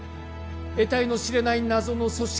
えたいの知れない謎の組織